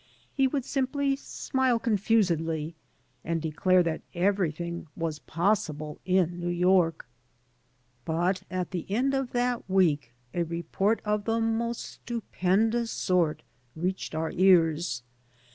He would simply smile confusedly, and declare that^ every thing was possible in New York. But at the end of that 16 THE GOSPEL OF NEW YORK week a report of the most stupendous sort reached our ears.